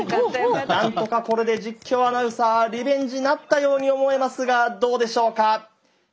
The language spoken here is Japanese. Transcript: なんとかこれで実況アナウンサーリベンジなったように思えますがどうでしょうか。